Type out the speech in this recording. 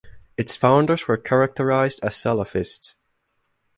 Its founders were characterised as salafists.